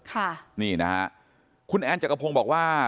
ค่ะนี่นะฮะคุณแอนจักรพงศ์บอกว่า